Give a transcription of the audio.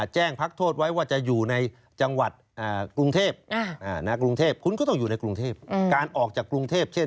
แจ้งพักโทษไว้ว่าจะอยู่ในจังหวัดกรุงเทพฯ